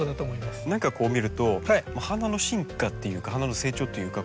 何かこう見ると花の進化っていうか花の成長っていうか